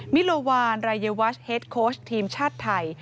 มิโลวานรายวัชเฮดโค้ชทีมชาติไทย